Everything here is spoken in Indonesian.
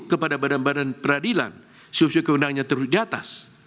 kepada badan badan peradilan siusui keundangannya terus diatas